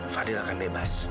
fadil akan bebas